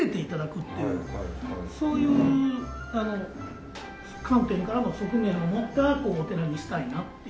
そういう観点からも側面を持ったお寺にしたいなっていう。